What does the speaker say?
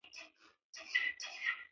افغانستان د اوړي له پلوه متنوع دی.